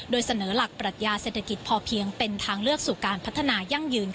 โดยเสนอหลักปรัชญาเศรษฐกิจพอเพียงเป็นทางเลือกสู่การพัฒนายั่งยืน